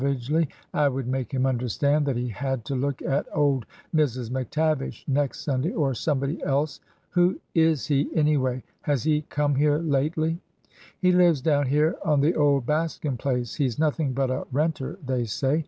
11 agely, I would make him understand that he had to look at old Mrs. McTavish next Sunday, or somebody else ! Who is he, anyway ? Has he come here lately ?'' He lives down here on the old Baskin place— he 's nothing but a renter, they say.